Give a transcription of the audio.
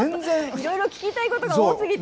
いろいろ聞きたいことが多すぎて。